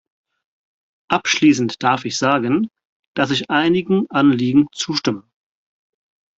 Abschließend darf ich sagen, dass ich einigen Anliegen zustimme.